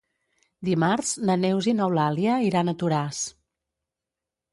Dimarts na Neus i n'Eulàlia iran a Toràs.